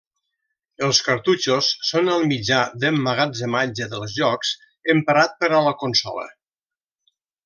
Els cartutxos són el mitjà d'emmagatzematge dels jocs emprat per a la consola.